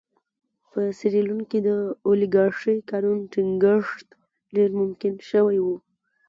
په سیریلیون کې د اولیګارشۍ قانون ټینګښت ډېر ممکن شوی و.